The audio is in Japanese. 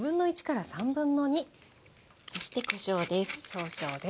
そしてこしょうです。